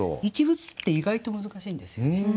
「一物」って意外と難しいんですよね。